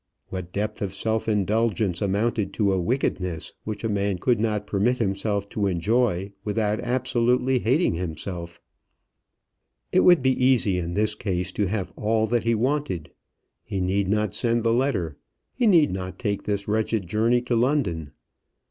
What depth of self indulgence amounted to a wickedness which a man could not permit himself to enjoy without absolutely hating himself? It would be easy in this case to have all that he wanted. He need not send the letter. He need not take this wretched journey to London.